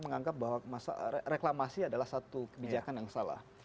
menganggap bahwa reklamasi adalah satu kebijakan yang salah